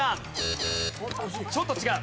ちょっと違う。